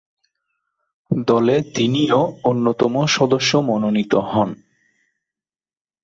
দলে তিনিও অন্যতম সদস্য মনোনীত হন।